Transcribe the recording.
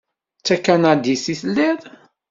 D takanadit i telliḍ?